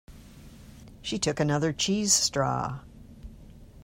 She took another cheese straw.